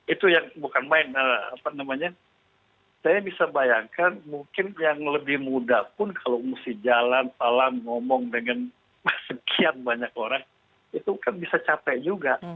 itu yang bukan main apa namanya saya bisa bayangkan mungkin yang lebih muda pun kalau mesti jalan alam ngomong dengan sekian banyak orang itu kan bisa capek juga